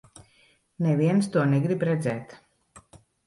Neviens to negrib redzēt.